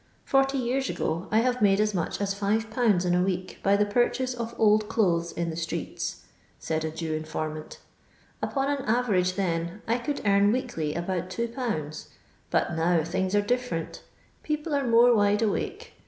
" Forty years ago I have made as much as 5/. in a week by the purchase of old clothes in the strceU," said a Jew informant " Upon an average then, I could earn weekly about 21. But now things are different People are more wide awake.